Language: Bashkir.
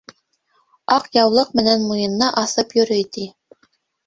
Аҡ яулыҡ менән муйынына аҫып йөрөй, ти.